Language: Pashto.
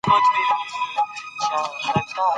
افغانستان کې چنګلونه د چاپېریال د تغیر نښه ده.